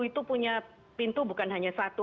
itu punya pintu bukan hanya satu